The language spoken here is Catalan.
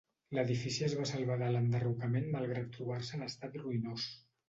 L'edifici es va salvar de l'enderrocament malgrat trobar-se en estat ruïnós.